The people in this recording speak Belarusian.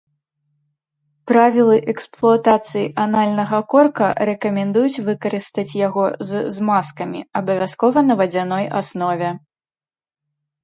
Правілы эксплуатацыі анальнага корка рэкамендуюць выкарыстаць яго з змазкамі, абавязкова на вадзяной аснове.